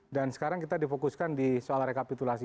dan sekarang kita difokuskan di soal rekapitulasi